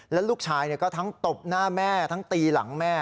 แล้วลูกชายก็ทั้งตบหน้าแม่ทั้งตีหลังแม่